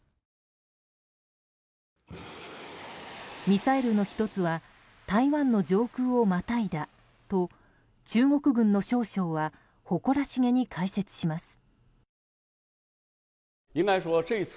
ミサイルの１つは台湾の上空をまたいだと中国軍の少将は誇らしげに解説します。